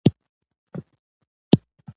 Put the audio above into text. نصیراحمد احمدي یو ناول ولیک.